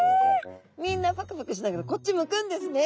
みんなパクパクしながらこっちむくんですね。